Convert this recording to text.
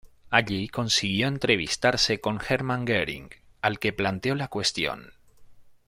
Allí consiguió entrevistarse con Hermann Göring, al que le planteó la cuestión.